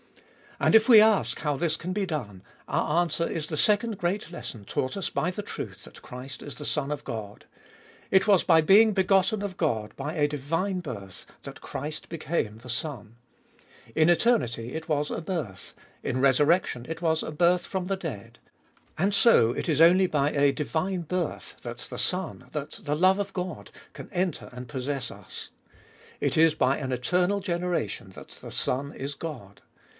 And if we ask how this can be done, our answer is the second great lesson taught us by the truth that Christ is the Son of God ! It was by being begotten of God, by a divine birth, that Christ became the Son. In eternity it was a birth ; in the resurrection it was a birth from the dead. And so it is only by a divine birth that the Son, that the love of God, can enter and possess us. It is by an eternal generation that the Son is God.